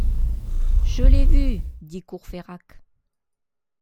Je l’ai vu, dit Courfeyrac.